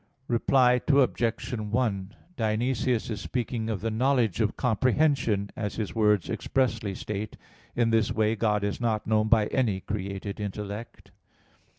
Reply Obj. 1: Dionysius is speaking of the knowledge of comprehension, as his words expressly state. In this way God is not known by any created intellect.